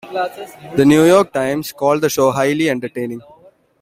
"The New York Times" called the show "highly entertaining.